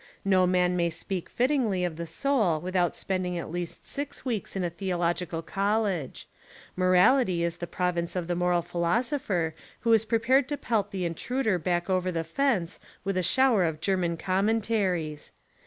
No man may speak fittingly of the soul without spending at least six weeks in a theological college; morality Is the province of the moral philosopher who is prepared to pelt the intruder back over the fence with a shower of German commentaries.